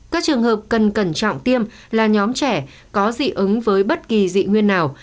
các trường hợp cần cẩn trọng tiêm là nhóm trẻ có dị ứng với bất kỳ dị nguyên nào